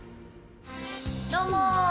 どうも！